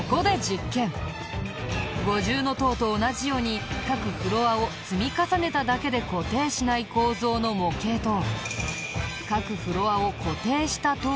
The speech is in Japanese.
五重塔と同じように各フロアを積み重ねただけで固定しない構造の模型と各フロアを固定した塔を用意。